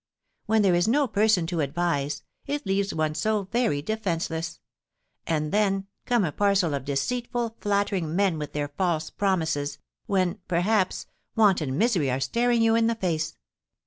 When there is no person to advise, it leaves one so very defenceless; and then come a parcel of deceitful, flattering men, with their false promises, when, perhaps, want and misery are staring you in the face.